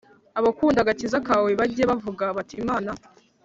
Abakunda agakiza kawe bajye bavuga bati Imana